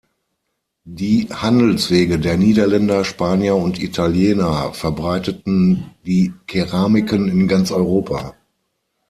Die Handelswege der Niederländer, Spanier und Italiener verbreiteten die Keramiken in ganz Europa.